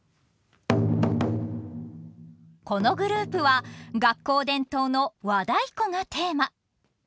このグループは学校伝統の「和太鼓」がテーマ。